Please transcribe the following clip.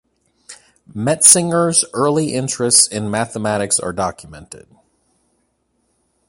Metzinger's early interests in mathematics are documented.